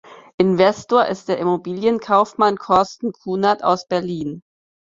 Investor ist der Immobilienkaufmann Torsten Kunert aus Berlin.